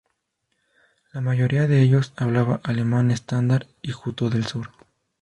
La mayoría de ellos habla alemán estándar y juto del sur.